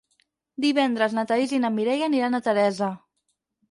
Divendres na Thaís i na Mireia aniran a Teresa.